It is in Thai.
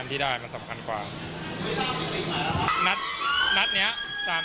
นัดนี้๓แจ้มมันสำคัญกว่าจริง